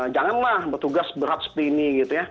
janganlah bertugas berat sepeni gitu ya